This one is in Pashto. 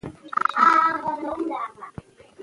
د مکالمو سبک ساده خو ژور دی.